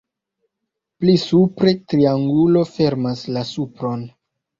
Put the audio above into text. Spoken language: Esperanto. Pli supre triangulo fermas la supron.